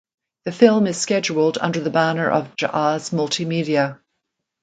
The film is scheduled under the banner of Jaaz Multimedia.